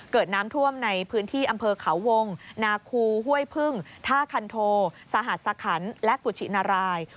เกิดน้ำท่วมในพื้นที่อำเภอเขาวงนาคูห้วยพึ่งท่าคันโทสหัสสะขันและกุชินาราย